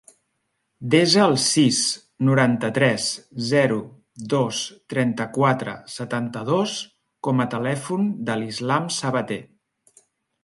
Desa el sis, noranta-tres, zero, dos, trenta-quatre, setanta-dos com a telèfon de l'Islam Sabate.